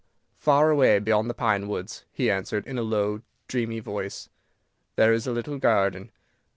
'"] "Far away beyond the pine woods," he answered, in a low, dreamy voice, "there is a little garden.